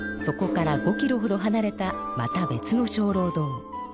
そこから５キロほどはなれたまた別のしょうろう堂。